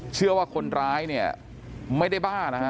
เชื่อว่าคนร้ายไม่ได้บ้านะครับ